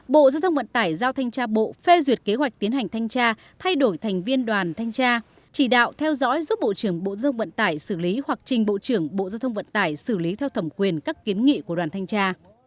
bộ giao thông vận tải giao thanh tra bộ phê duyệt kế hoạch tiến hành thanh tra thay đổi thành viên đoàn thanh tra chỉ đạo theo dõi giúp bộ trưởng bộ giao thông vận tải xử lý hoặc trình bộ trưởng bộ giao thông vận tải xử lý theo thẩm quyền các kiến nghị của đoàn thanh tra